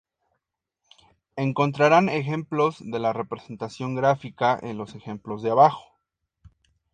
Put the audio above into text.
Encontrarán ejemplos de la representación gráfica en los ejemplos de abajo.